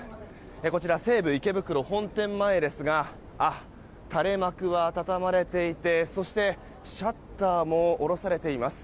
こちら、西武池袋本店前ですが垂れ幕は畳まれていてそして、シャッターも下ろされています。